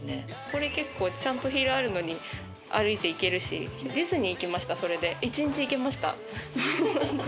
これ結構ちゃんとヒールあるのに歩いていけるしディズニー行きましたそれで１日いけました